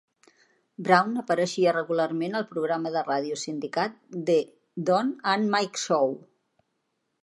Brown apareixia regularment al programa de ràdio sindicat "The Don and Mike Show".